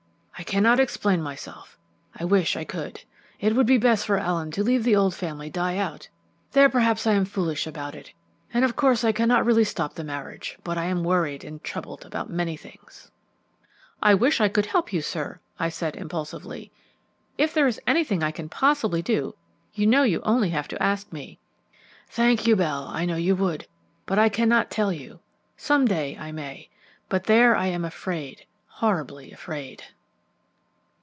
"I cannot explain myself; I wish I could. It would be best for Allen to let the old family die out. There, perhaps I am foolish about it, and of course I cannot really stop the marriage, but I am worried and troubled about many things." "I wish I could help you, sir," I said impulsively. "If there is anything I can possibly do, you know you have only to ask me." "Thank you, Bell, I know you would; but I cannot tell you. Some day I may. But there, I am afraid horribly afraid."